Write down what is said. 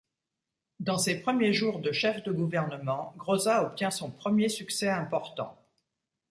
Dans ses premiers jours de chef de gouvernement, Groza obtient son premier succès important.